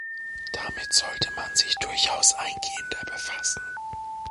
Damit sollte man sich durchaus eingehender befassen.